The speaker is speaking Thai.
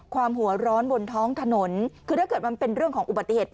หัวร้อนบนท้องถนนคือถ้าเกิดมันเป็นเรื่องของอุบัติเหตุ